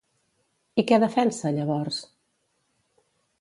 I què defensa, llavors?